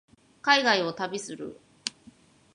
海外を旅する